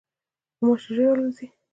غوماشې ژر الوزي.